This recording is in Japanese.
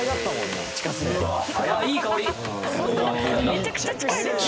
めちゃくちゃ近いですね」